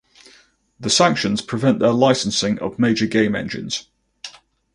The sanctions prevent their licensing of major game engines.